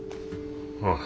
ああ。